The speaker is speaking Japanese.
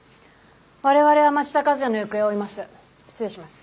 我々は町田和也の行方を追います。